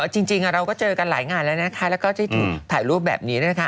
จริงเราก็เจอกันหลายงานแล้วนะคะแล้วก็ได้ถูกถ่ายรูปแบบนี้นะคะ